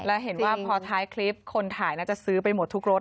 แล้วเห็นว่าพอท้ายคลิปคนถ่ายน่าจะซื้อไปหมดทุกรถ